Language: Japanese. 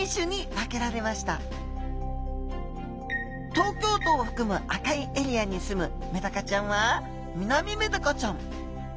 東京都を含む赤いエリアにすむメダカちゃんはミナミメダカちゃん。